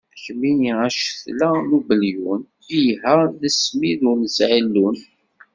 Kemmini a cetla n ubelyun, iha d smid ur nesɛi llun.